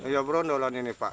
ya bro nolannya ini pak